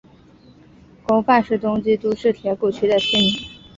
宫坂是东京都世田谷区的町名。